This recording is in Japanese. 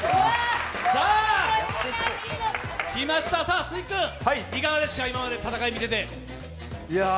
来ました、鈴木君、いかがでしたか、今までの戦いを見てて。